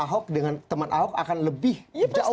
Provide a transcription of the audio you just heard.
ahok dengan teman ahok akan lebih jauh